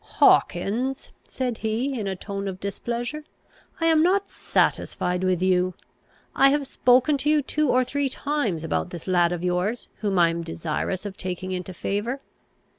"Hawkins," said he, in a tone of displeasure, "I am not satisfied with you. I have spoken to you two or three times about this lad of yours, whom I am desirous of taking into favour.